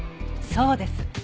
そうです。